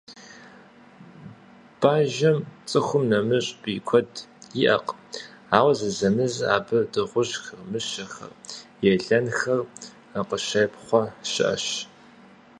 Бажэм цӀыхум нэмыщӀ бий куэд иӀэкъым, ауэ зэзэмызэ абы дыгъужьхэр, мыщэхэр, елэнхэр къыщепхъуэ щыӏэщ.